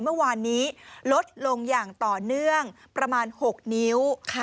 เมื่อวานนี้ลดลงอย่างต่อเนื่องประมาณ๖นิ้ว